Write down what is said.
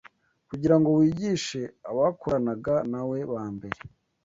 kugira ngo wigishe abakoranaga na We ba mbere